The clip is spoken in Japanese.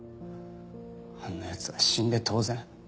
「あんな奴は死んで当然」？